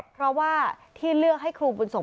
เพราะว่าที่เลือกให้ครูบุญสงฆ